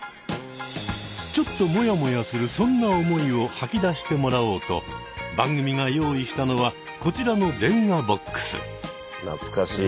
ちょっともやもやするそんな思いを吐き出してもらおうと番組が用意したのはこちらの電話ボックス。